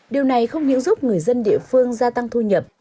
điều này không những giúp người dân địa phương gia tăng thu nhập